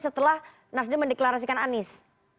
setelah nasjid mendeklarasikan anies